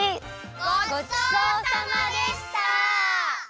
ごちそうさまでした！